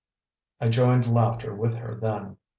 I joined laughter with her then.